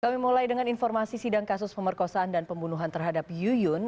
kami mulai dengan informasi sidang kasus pemerkosaan dan pembunuhan terhadap yuyun